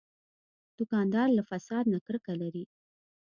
دوکاندار له فساد نه کرکه لري.